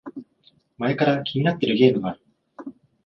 前から気になってるゲームがある